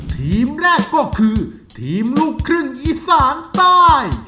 ทีมแรกก็คือทีมลูกครึ่งอีสานใต้